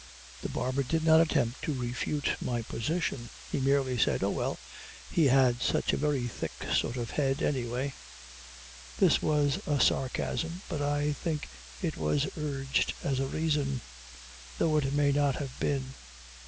The barber did not attempt to refute my position. He merely said: "Oh, well, he had such a very thick sort of a head, anyway." This was a sarcasm, but I think it was urged as a reason, though it may not have been.